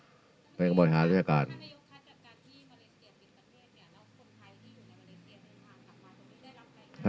ถ้าใครอยู่คัดกรรมการที่มาริเทียปิดประเทศเนี่ยแล้วคนใครที่อยู่ในมาริเทียปิดประเทศกลับมาตรงนี้ได้รับรายการไหม